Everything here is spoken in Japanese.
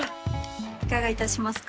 いかがいたしますか？